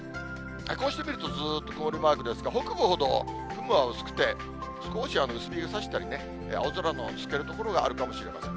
こうして見るとずっと曇りマークですが、北部ほど雲は薄くて、少し薄日がさしたりね、青空の透ける所があるかもしれません。